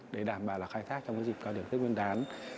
để đảm bảo là khai thác trong dịp cao điểm tết nguyên đán